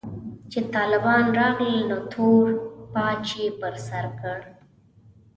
چې طالبان راغلل نو تور پاج يې پر سر کړ.